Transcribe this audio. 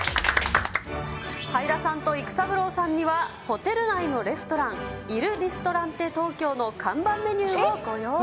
はいださんと育三郎さんにはホテル内のレストラン、イル・リストランテトーキョーの看板メニューをご用意。